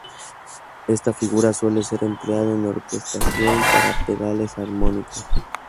Esta figura suele ser empleada en orquestación para pedales armónicos.